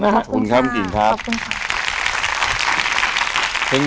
ขอบคุณค่ะขอบคุณค่ะ